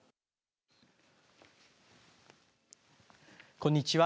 こんにちは。